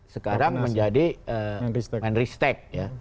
sekarang menjadi menristek